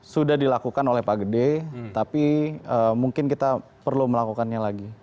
sudah dilakukan oleh pak gede tapi mungkin kita perlu melakukannya lagi